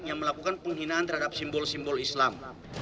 yang melakukan penghinaan terhadap simbol simbol islam